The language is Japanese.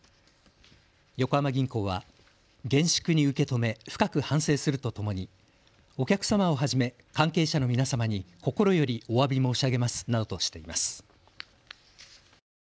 横浜銀行は厳粛に受け止め深く反省するとともにお客様をはじめ関係者の皆様に心よりおわび申し上げますなどとしています。